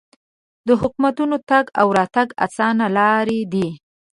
د حکومتونو تګ او راتګ اسانه لارې دي.